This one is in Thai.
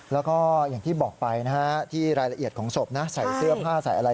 แล้วก็อย่างที่บอกไปนะฮะที่รายละเอียดของศพนะใส่เสื้อผ้าใส่อะไร